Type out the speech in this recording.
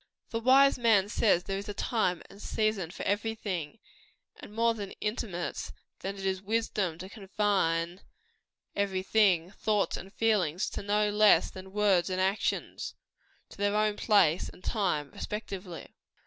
The wise man says there is a time and season for every thing; and more than intimates, that it is wisdom to confine every thing thoughts and feelings, no less than words and actions to their own place and time, respectively.